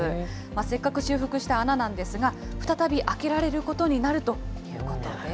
せっかく修復した穴なんですが、再び開けられることになるということです。